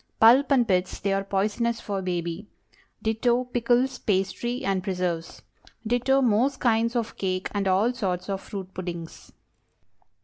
Pulp and pits, they are poisonous for baby. Ditto, pickles, pastry, and preserves. Ditto, most kinds of cake and all sorts of fruit puddings.